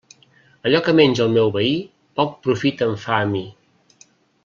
Allò que menja el meu veí, poc profit em fa a mi.